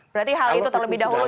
berarti hal itu terlebih dahulu